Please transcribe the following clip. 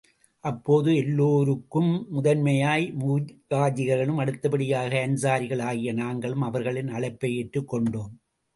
அப்போது எல்லோருக்கும் முதன்மையாய் முஹாஜிர்களும், அடுத்தபடியாக அன்ஸாரிகளாகிய நாங்களும் அவர்களின் அழைப்பை ஏற்றுக் கொண்டோம்.